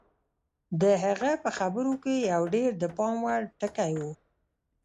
د هغه په خبرو کې یو ډېر د پام وړ ټکی و